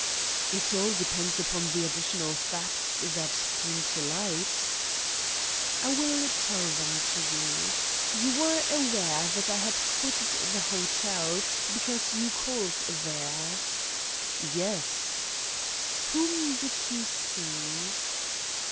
"It all depends upon the additional facts that came to light." "I will tell them to you. You were aware that I had quitted the hotel, because you called there?" "Yes." "Whom did you see?"